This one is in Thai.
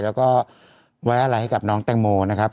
แล้วก็ไว้อะไรให้กับน้องแตงโมนะครับ